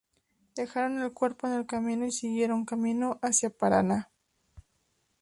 Dejaron el cuerpo en el camino y siguieron camino hacia Paraná.